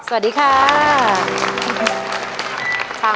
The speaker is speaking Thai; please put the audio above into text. สวัสดีค่ะ